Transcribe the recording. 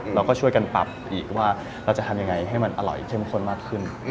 เราก็ช่วยกันปรับอีกว่าเราจะทำยังไงให้มันอร่อยเข้มข้นมากขึ้น